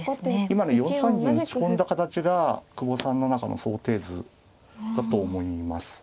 今の４三銀打ち込んだ形が久保さんの中の想定図だと思います。